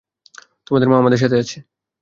তোমার মা আমাদের সাথে আছে।